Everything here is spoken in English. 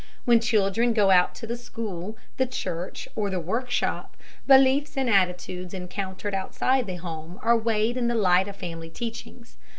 When children go out to the school, the church or the workshop, beliefs and attitudes encountered outside the home are weighed in the light of family teachings.